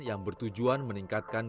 yang bertujuan meningkatkan